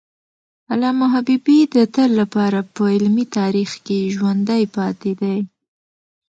علامه حبیبي د تل لپاره په علمي تاریخ کې ژوندی پاتي دی.